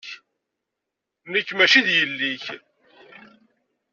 Nekk maci d yelli-k.